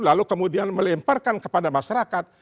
lalu kemudian melemparkan kepada masyarakat